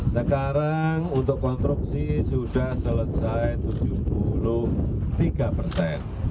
sekarang untuk konstruksi sudah selesai tujuh puluh tiga persen